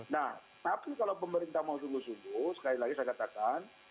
nah tapi kalau pemerintah mau sungguh sungguh sekali lagi saya katakan